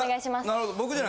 なるほど。